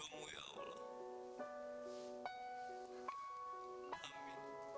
ah emangnya dosi dosi